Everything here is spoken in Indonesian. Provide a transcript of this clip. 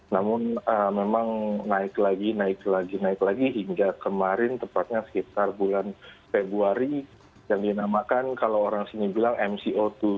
namun memang naik lagi naik lagi naik lagi hingga kemarin tepatnya sekitar bulan februari yang dinamakan kalau orang sini bilang mco dua